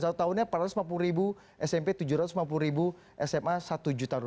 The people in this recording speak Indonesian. satu tahunnya rp empat ratus lima puluh ribu smp rp tujuh ratus lima puluh sma rp satu